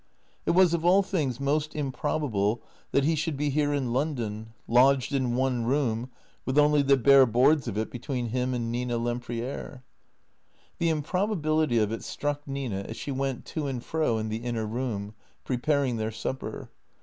It was of all things most improbable that he should l)e here in London, lodged in one room, with only the bare boards of it between him and Nina Lempriere. THE CEEATOES 181 The improbability of it struck Nina as she went to and fro in the inner room, preparing their supper.